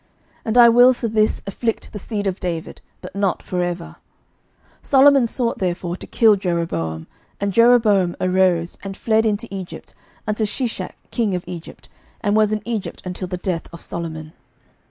11:011:039 And I will for this afflict the seed of David, but not for ever. 11:011:040 Solomon sought therefore to kill Jeroboam. And Jeroboam arose, and fled into Egypt, unto Shishak king of Egypt, and was in Egypt until the death of Solomon.